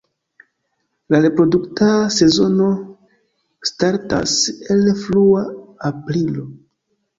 La reprodukta sezono startas el frua aprilo.